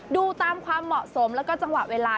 ดูตามความเหมาะสมแล้วก็จังหวะเวลา